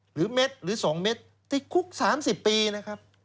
หรือเม็ดหรือสองเม็ดที่คุกสามสิบปีนะครับ